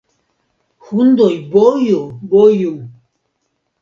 Hundoj, boju, boju!